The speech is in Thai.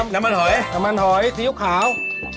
น้ำมันหอยน้ำมันหอยซีอิ๊วขาว